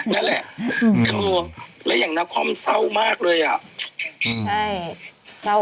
เนี้ยแหละเธอและอย่างนักความสเศร้ามากเลยอ่ะใช่